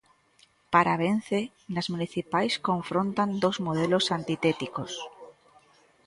Para Vence, nas municipais confrontan dous modelos antitéticos.